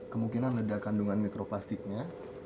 kemungkinan leda kandungan mikroplastiknya